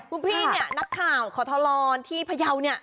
คุณพี่นักข่าวขอทรลอนที่พะเยาว์เนี่ย